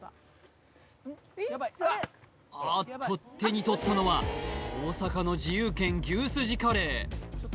ああっと手に取ったのは大阪の自由軒牛スジカレー